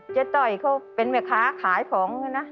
เจ้าต้อยเขาเป็นมีค้าขายของนะ